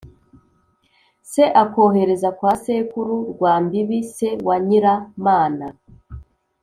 se akohereza kwa sekuru rwambibi, se wa nyiramana.